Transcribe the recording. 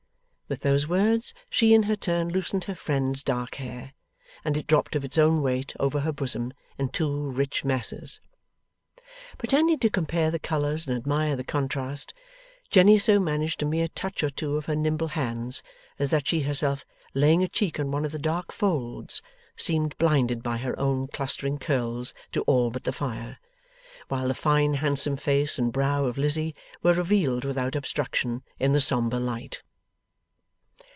With those words, she in her turn loosened her friend's dark hair, and it dropped of its own weight over her bosom, in two rich masses. Pretending to compare the colours and admire the contrast, Jenny so managed a mere touch or two of her nimble hands, as that she herself laying a cheek on one of the dark folds, seemed blinded by her own clustering curls to all but the fire, while the fine handsome face and brow of Lizzie were revealed without obstruction in the sombre light.